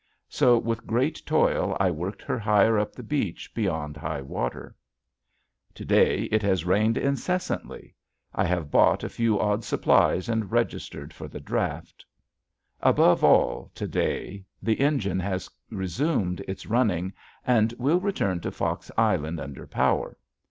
So with great toil I worked her higher up the beach beyond high water. To day it has rained incessantly. I have bought a few odd supplies and registered for the draft. Above all to day the engine has resumed its running and we'll return to Fox Island under power.